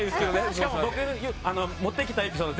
しかも僕持ってきたエピソード